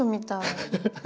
ハハハッ。